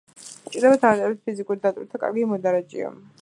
სჭირდება დამატებითი ფიზიკური დატვირთვა, კარგი მოდარაჯეა.